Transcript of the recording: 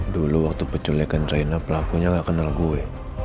dulu waktu peculiakan reina pelakunya gak kenal gue